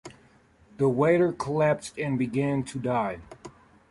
The waiter collapsed and began to die.